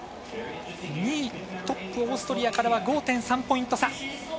２位、トップオーストリアからは５．３ポイント差。